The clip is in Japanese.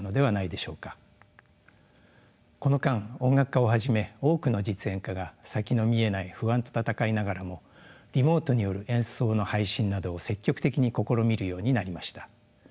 この間音楽家をはじめ多くの実演家が先の見えない不安と闘いながらもリモートによる演奏の配信などを積極的に試みるようになりました。